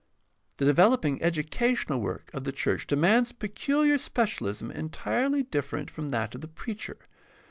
— The developing educational work of the church demands peculiar specialism entirely different from that of the preacher.